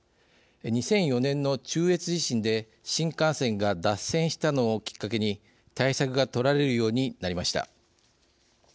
２００４年の中越地震で新幹線が脱線したのをきっかけに対策が取られるようになりました。